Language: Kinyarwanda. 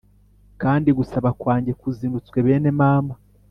kandi gusaba kwanjye kuzinutswe bene mama